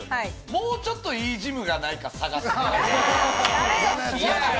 もうちょっといいジムがないか探す。